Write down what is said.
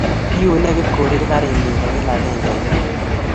iune Kipkorir karinyi konyil agenge eng wiikit